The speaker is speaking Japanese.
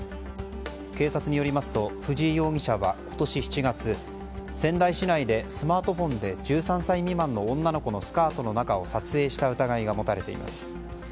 警察によりますと藤井容疑者は今年７月仙台市内でスマートフォンで１３歳未満の女の子のスカートの中を撮影した疑いが持たれています。